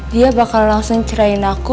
dia bakal langsung cerahin aku